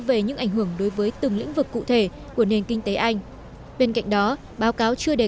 về những ảnh hưởng đối với từng lĩnh vực cụ thể của nền kinh tế anh bên cạnh đó báo cáo chưa đề